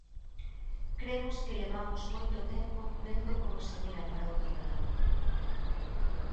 Cremos que levamos moito tempo vendo como se mira para outro lado.